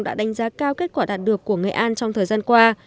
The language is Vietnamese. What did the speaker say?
đã đánh giá cao kết quả đạt được của nghệ an trong thời gian qua